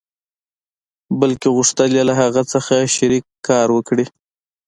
بلکې غوښتل يې له هغه سره شريک کار وکړي.